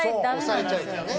押されちゃうからね。